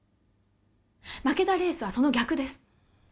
負けたレースはその逆です